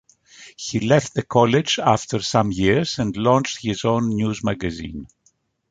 He left the college after some years and launched his own news magazine.